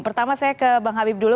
pertama saya ke bang habib dulu